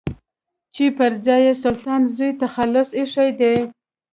چې پر ځان يې سلطان زوی تخلص ايښی دی.